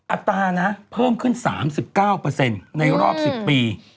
อัตรานะเพิ่มขึ้น๓๙ในรอบ๑๐ปี